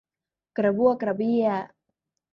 กระบั้วกระเบี้ย